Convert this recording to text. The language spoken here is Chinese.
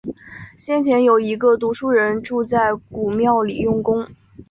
先前，有一个读书人住在古庙里用功